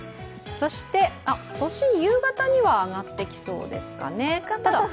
そして、都心、夕方にはあがってきそうですかね。